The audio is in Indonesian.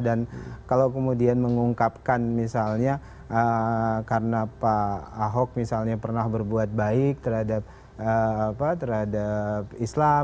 dan kalau kemudian mengungkapkan misalnya karena pak ahok misalnya pernah berbuat baik terhadap islam